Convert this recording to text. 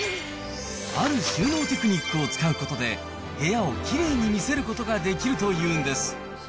ある収納テクニックを使うことで、部屋をきれいに見せることができるというんです。